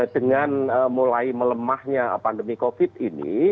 dengan mulai melemahnya pandemi covid ini